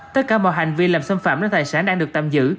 tất cả mọi hành vi làm xâm phạm đến tài sản đang được tạm giữ